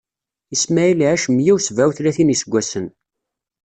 Ismaɛil iɛac meyya usebɛa utlatin n iseggasen.